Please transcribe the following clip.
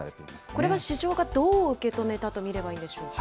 これが市場がどう受け止めたと見ればいいんでしょうか。